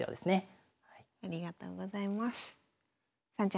ありがとうございます。